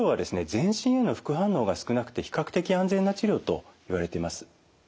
全身への副反応が少なくて比較的安全な治療といわれてます。